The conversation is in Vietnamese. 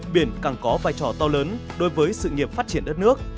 biển càng có vai trò to lớn đối với sự nghiệp phát triển đất nước